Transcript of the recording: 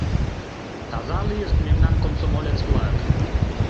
Таза лийышт мемнан комсомолец-влак!